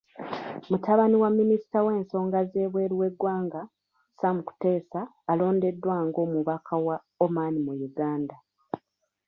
Mutabani wa Minisita w'ensonga z'ebweru w'eggwanga, Sam Kuteesa alondeddwa ng'omubaka wa Oman mu Uganda.